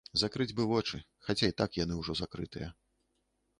Закрыць бы вочы, хаця і так ужо яны закрытыя.